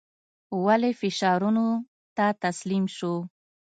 والي فشارونو ته تسلیم شو.